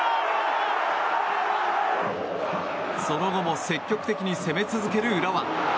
その後も積極的に攻め続ける浦和。